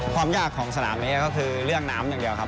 ความยากของสนามนี้ก็คือเรื่องน้ำอย่างเดียวครับ